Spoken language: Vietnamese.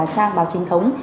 trang báo trình thống